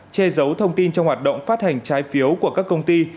che giấu thông tin trong hoạt động phát hành trái phiếu của các công ty